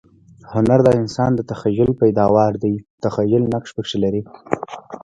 هنر د انسان د تخییل پیداوار دئ. تخییل نقش پکښي لري.